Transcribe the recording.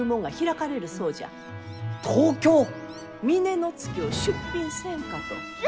峰乃月を出品せんかと。